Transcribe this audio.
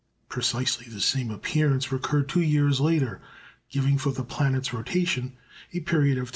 Precisely the same appearance recurred two years later, giving for the planet's rotation a period of 23h.